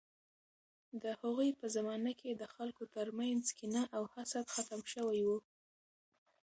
د هغوی په زمانه کې د خلکو ترمنځ کینه او حسد ختم شوی و.